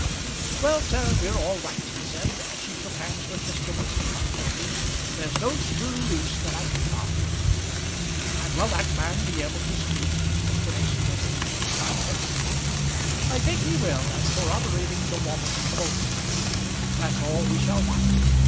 "Well, sir, we're all right," he said, as he shook hands with Mr. Mason of Groby; "there's no screw loose that I can find." "And will that man be able to speak?" Mr. Mason was alluding to John Kenneby. "I think he will, as corroborating the woman Bolster. That's all we shall want.